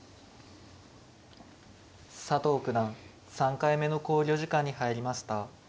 佐藤九段３回目の考慮時間に入りました。